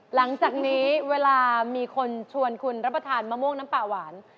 หลังจากนี้เวลามีคนชวนคุณรับประทานมะม่วงน้ำปลาหวาน